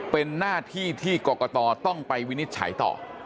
เป็นหน้าที่ที่กรกตต้องไปวินิจฉัยต่อ